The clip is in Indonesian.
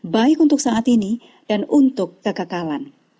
baik untuk saat ini dan untuk kekekalan